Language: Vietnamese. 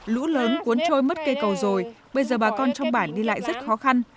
lũ lớn cuốn trôi mất cây cầu rồi bây giờ bà con trong bản đi lại rất khó khăn